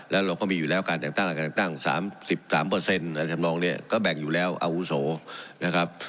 แล้วเราก็มีอยู่แล้วการแต่งตั้งแต่งตั้งสามสิบสามเปอร์เซ็นต์อันทรัพย์นี้ก็แบ่งอยู่แล้วอาวุโสนะครับ